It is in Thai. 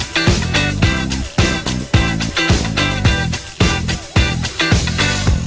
ขอบคุณครับ